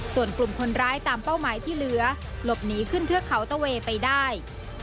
ส่วนกลุ่มคนร้ายตามเป้าหมายที่เหลือหลบหนีขึ้นเทือกเขาตะเวย์ไปได้